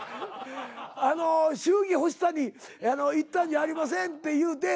「祝儀欲しさに言ったんじゃありません」っていうて。